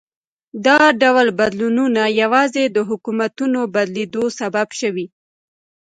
دا ډول بدلونونه یوازې د حکومتونو بدلېدو سبب شوي.